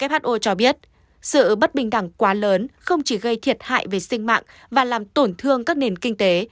who cho biết sự bất bình đẳng quá lớn không chỉ gây thiệt hại về sinh mạng và làm tổn thương các nền kinh tế